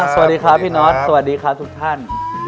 สวัสดีครับพี่นอทสวัสดีครับทุกท่าน